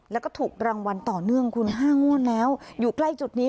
แล้วก็ถูกรางวัลต่อเนื่องคุณ๕งวดแล้วอยู่ใกล้จุดนี้